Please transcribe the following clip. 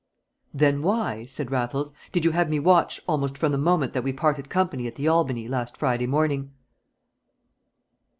"Then why," said Raffles, "did you have me watched almost from the moment that we parted company at the Albany last Friday morning?"